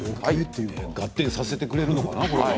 ガッテンさせてくれるのかな？